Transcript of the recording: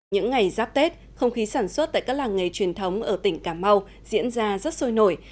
những ngày giáp tết không khí sản xuất tại các làng nghề truyền thống ở tỉnh cà mau diễn ra rất sôi nổi